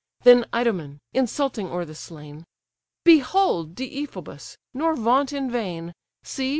Then Idomen, insulting o'er the slain: "Behold, Deiphobus! nor vaunt in vain: See!